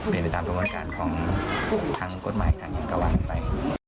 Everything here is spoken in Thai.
เป็นไปตามกระบวนการของทางกฎหมายทางยังกระวังไป